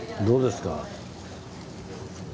どうですか？